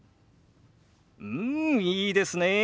うんいいですねえ。